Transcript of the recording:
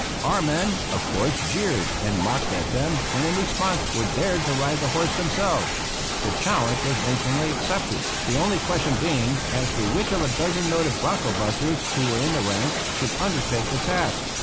Our men, of course, jeered and mocked at them, and in response were dared to ride the horse themselves. The challenge was instantly accepted, the only question being as to which of a dozen noted bronco busters who were in the ranks should undertake the task.